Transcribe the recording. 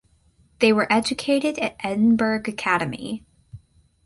They were educated at Edinburgh Academy.